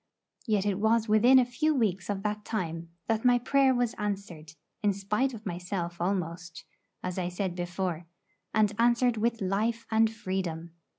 Yet it was within a few weeks of that time that my prayer was answered, in spite of myself almost, as I said before, and answered with life and freedom.